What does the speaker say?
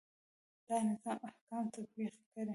دا نظام احکام تطبیق کړي.